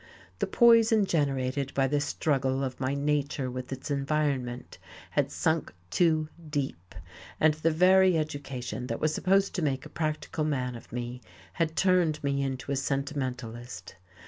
The poison generated by the struggle of my nature with its environment had sunk too deep, and the very education that was supposed to make a practical man of me had turned me into a sentimentalist.